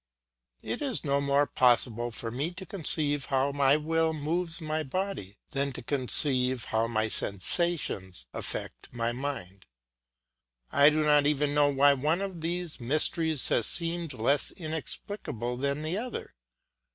It is no more possible for me to conceive how my will moves my body than to conceive how my sensations affect my mind. I do not even know why one of these mysteries has seemed less inexplicable than the other.